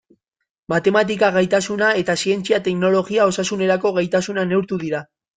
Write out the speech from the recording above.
Matematika gaitasuna eta zientzia, teknologia, osasunerako gaitasuna neurtu dira.